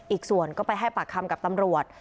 อีกส่วนก็ไปให้ปากคำกับตำรวจ